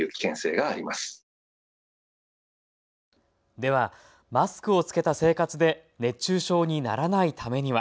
では、マスクを着けた生活で熱中症にならないためには。